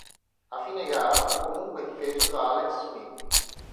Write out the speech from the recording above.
A fine gara fu comunque difeso da Alex Smith.